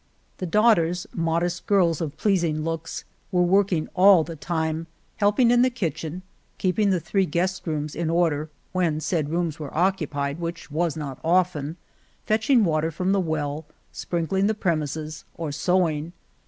The daughters, modest girls of pleasing looks, were working all the time, helping in the kitchen, keeping the three guest rooms in order (when said rooms were occupied, which was not often), fetching water from the well, sprinkling the premises, or sewing.